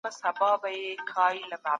باثباته دولت د ولس په ملاتړ جوړېږي.